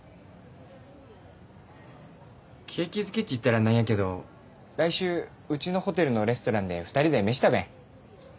景気づけっち言ったらなんやけど来週うちのホテルのレストランで２人で飯食べん？